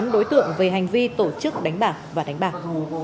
bốn đối tượng về hành vi tổ chức đánh bạc và đánh bạc